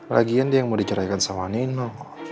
lagian dia yang mau diceraikan sama nino